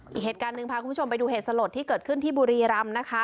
อีกเหตุการณ์นึงพาคุณผู้ชมไปดูเกิดขึ้นที่บุรีรำนะคะ